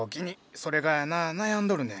それがやな悩んどるねん。